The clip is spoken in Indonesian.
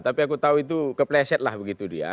tapi aku tahu itu kepleset lah begitu dia